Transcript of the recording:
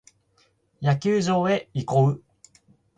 野球場へ移行。